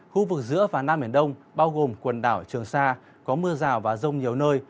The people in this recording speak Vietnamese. khu vực giữa và nam biển đông bao gồm quần đảo trường sa có mưa rào và rông nhiều nơi